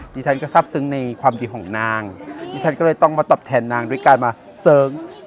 ฉันก็ทราบซึ้งในความดีของนางดิฉันก็เลยต้องมาตอบแทนนางด้วยการมาเสิร์ง